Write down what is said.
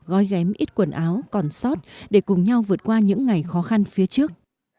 gói ghém ít quần áo còn sót để cùng nhau vượt qua những ngày khó khăn phía trước